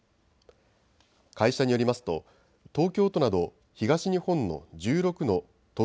会社によりますと東京都など東日本の１６の都